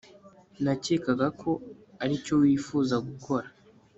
nakekaga ko aricyo wifuza gukora